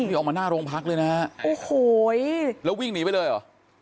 นี่ออกมาหน้าโรงพักเลยนะฮะโอ้โหแล้ววิ่งหนีไปเลยเหรอ